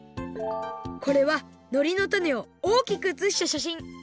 これはのりの種をおおきくうつしたしゃしん。